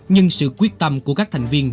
nhưng sự quyết tâm của các thành viên